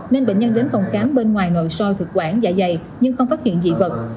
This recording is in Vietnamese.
nên bệnh nhân đến phòng khám bên ngoài ngộn soi thực quản dạ dày nhưng không phát hiện dị vật